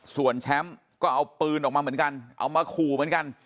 ส่วนแชมป์ก็เอาปืนออกมาเหมือนกันเอามาขู่เหมือนกัน